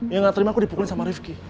yang gak terima aku dipukulin sama rifki